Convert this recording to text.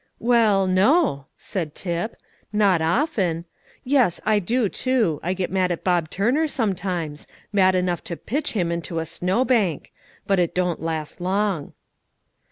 "Well, no," said Tip, "not often. Yes, I do too; I get mad at Bob Turner sometimes, mad enough to pitch him into a snow bank; but it don't last long."